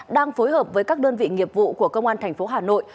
đang phối hợp với các đơn vị nghiệp vụ của công an thành phố hà nội